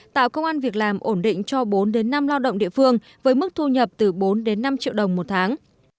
tạo công an việc làm ổn định cho bốn đến năm lao động địa phương với mức thu nhập từ bốn đến năm triệu đồng một tháng